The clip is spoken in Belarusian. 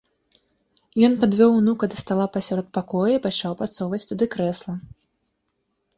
Ён падвёў унука да стала пасярод пакоя і пачаў падсоўваць туды крэсла.